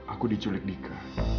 aku diculik dika